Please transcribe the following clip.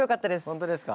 本当ですか？